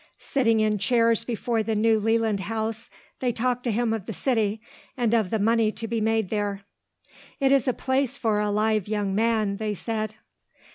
Sitting in chairs before the New Leland House they talked to him of the city and of the money to be made there. "It is the place for a live young man," they said.